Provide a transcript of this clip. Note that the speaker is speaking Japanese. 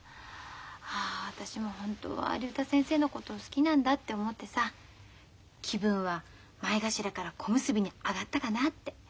ああ私もホントは竜太先生のこと好きなんだって思ってさ気分は前頭から小結に上がったかなって。